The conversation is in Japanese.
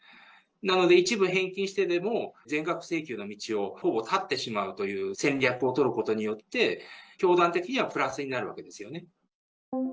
なので、一部返金してでも、全額請求の道をほぼ断ってしまうという戦略を取ることによって、教団的にはプラスになるわけですよね。